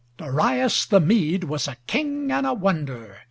Darius the Mede was a king and a wonder.